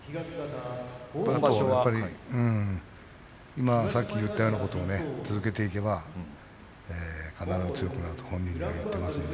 今さっき言ったようなことを続けていけば必ず強くなると本人には言っていますね。